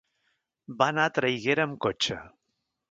Va anar a Traiguera amb cotxe.